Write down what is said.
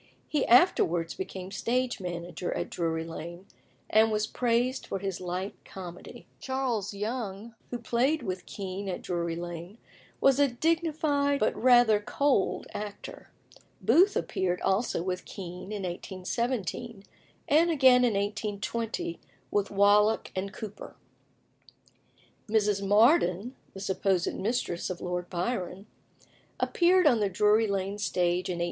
He afterwards became stage manager at Drury Lane, and was praised for his light comedy. Charles Young, who played with Kean at Drury Lane, was a dignified but rather cold actor. Booth appeared also with Kean in 1817, and again in 1820 with Wallack and Cooper. Mrs. Mardyn (the supposed mistress of Lord Byron) appeared on the Drury Lane stage in 1815.